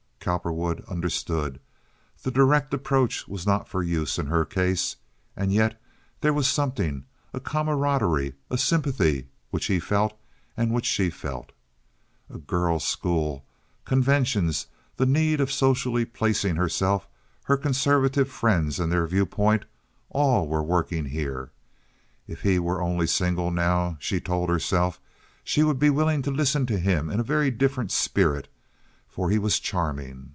Cowperwood understood. The direct approach was not for use in her case; and yet there was something, a camaraderie, a sympathy which he felt and which she felt. A girls' school, conventions, the need of socially placing herself, her conservative friends, and their viewpoint—all were working here. If he were only single now, she told herself, she would be willing to listen to him in a very different spirit, for he was charming.